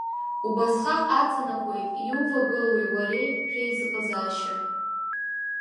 Убасҟак аҵанакуеит иувагылоуи уареи шәеизыҟазаашьа.